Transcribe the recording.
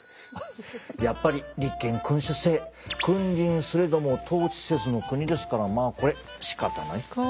やっぱり立憲君主制「君臨すれども統治せず」の国ですからまあこれしかたないか。